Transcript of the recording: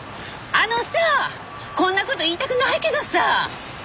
あのさこんなこと言いたくないけどさ。